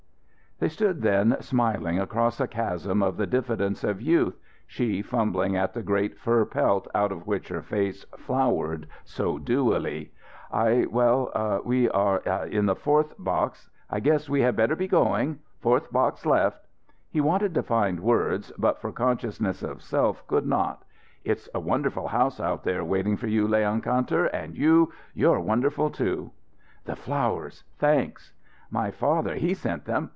They stood then smiling across a chasm of the diffidence of youth, she fumbling at the great fur pelt out of which her face flowered so dewily. "I well we we are in the fourth box I guess we had better be going fourth box left." He wanted to find words, but for consciousness of self could not "It's a wonderful house out there waiting for you, Leon Kantor, and you you're wonderful, too!" "The flowers thanks!" "My father, he sent them.